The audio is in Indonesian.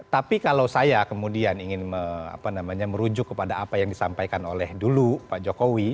tapi kalau saya kemudian ingin merujuk kepada apa yang disampaikan oleh dulu pak jokowi